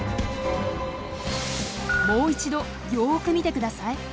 もう一度よく見て下さい。